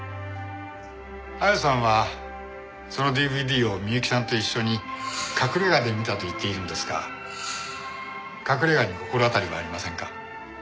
亜矢さんはそのＤＶＤを美雪さんと一緒に隠れ家で見たと言っているのですが隠れ家に心当たりはありませんか？